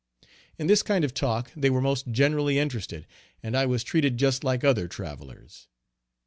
In this kind of talk they were most generally interested, and I was treated just like other travelers.